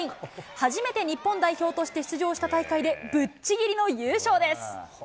初めて日本代表として出場した大会で、ぶっちぎりの優勝です。